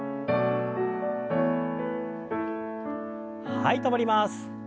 はい止まります。